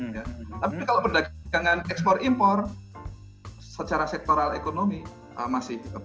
tapi kalau perdagangan ekspor impor secara sektoral ekonomi masih tetap